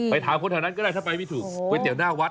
ถามคนแถวนั้นก็ได้ถ้าไปไม่ถูกก๋วยเตี๋ยวหน้าวัด